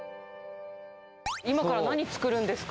今から、何作るんですか？